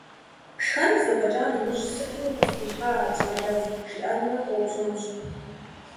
Шхэныр зэфӀэкӀа нэужь, сытым укъысхуихьа, щӀалэфӀ, жиӀэнурэ къоупщӀынущ.